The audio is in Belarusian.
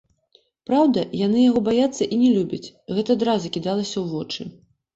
Праўда, яны яго баяцца і не любяць, гэта адразу кідалася ў вочы.